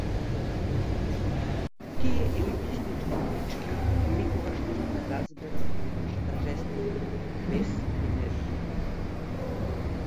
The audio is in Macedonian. Тие елитистички пички никогаш нема да ја разберат нашата жестина, бес и енергија!